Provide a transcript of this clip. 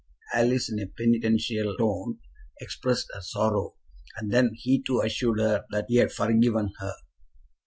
Alice in a penitential tone expressed her sorrow, and then he too assured her that he had forgiven her.